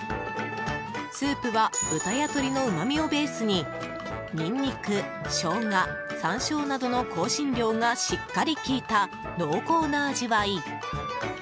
スープは豚や鶏のうまみをベースにニンニク、ショウガ山椒などの香辛料がしっかり効いた濃厚な味わい。